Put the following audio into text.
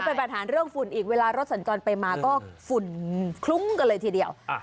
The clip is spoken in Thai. เป็นปัญหาเรื่องฝุ่นอีกเวลารถสัญจรไปมาก็ฝุ่นคลุ้งกันเลยทีเดียว